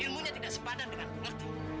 ilmunya tidak sepadan dengan pengerti